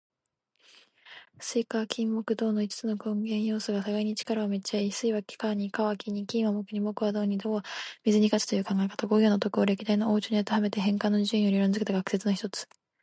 水・火・金・木・土の五つの根元要素が互いに力を減じ合い、水は火に、火は金に、金は木に、木は土に、土は水に勝つという考え方。五行の徳を歴代の王朝にあてはめて変遷の順を理論づけた学説の一つ。